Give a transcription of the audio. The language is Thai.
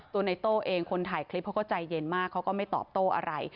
ตัวในโต้เองคนถ่ายคลิปเขาก็ใจเย็นมากเขาก็ไม่ตอบโต้อะไร